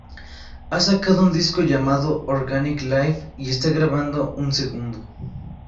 Ha sacado un disco llamado "Organic Life" y está grabando un segundo.